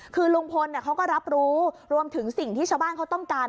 คือลุงพลเขาก็รับรู้รวมถึงสิ่งที่ชาวบ้านเขาต้องการ